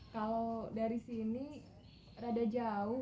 kalau dari sini rada jauh